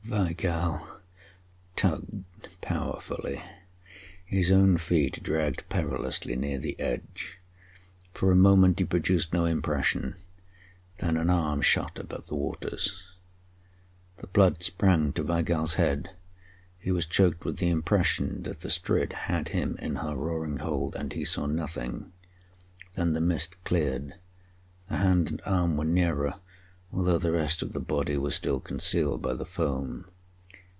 Weigall tugged powerfully, his own feet dragged perilously near the edge. For a moment he produced no impression, then an arm shot above the waters. The blood sprang to Weigall's head; he was choked with the impression that the Strid had him in her roaring hold, and he saw nothing. Then the mist cleared. The hand and arm were nearer, although the rest of the body was still concealed by the foam.